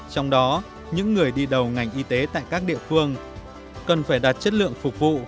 trong đó những người đi đầu ngành y tế tại các địa phương cần phải đặt chất lượng phục vụ